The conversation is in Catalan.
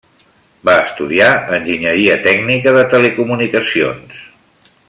Va estudiar enginyeria tècnica de telecomunicacions.